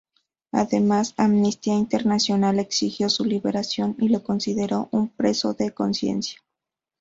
Además, Amnistía Internacional exigió su liberación y lo consideró un preso de conciencia.